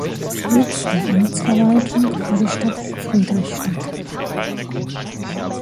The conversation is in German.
Sitz der Amtsverwaltung war die Stadt Friedrichstadt.